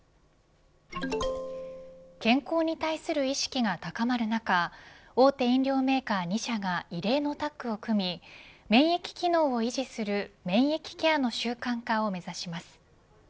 健康に対する意識が高まる中大手飲料メーカー２社が異例のタッグを組み免疫機能を維持する免疫ケアの習慣化を目指します。